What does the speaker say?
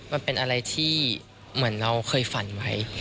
มันเป็นอะไรที่เหมือนเราเคยฝันไว้